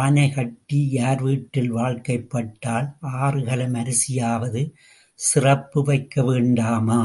ஆனை கட்டியார் வீட்டில் வாழ்க்கைப்பட்டால் ஆறு கலம் அரிசி யாவது சிறப்பு வைக்க வேண்டாமா?